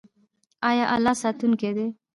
آیا الله ساتونکی دی؟